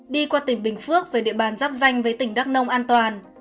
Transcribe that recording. đi qua tỉnh bình phước về địa bàn giáp danh với tỉnh đắk nông an toàn